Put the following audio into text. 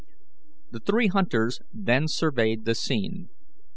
The three hunters then surveyed the scene.